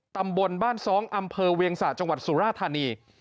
ตำบลบ้านซ้องอำเภอเวียงสะจังหวัดสุราธานี